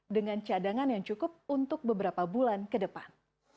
dengan cadangan yang cukup untuk beberapa bulan ke depan